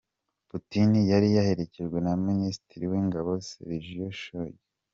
Putin yari yaherekejwe na Minisitiri w’Ingabo, Sergei Shoigu.